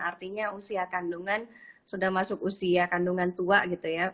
artinya usia kandungan sudah masuk usia kandungan tua gitu ya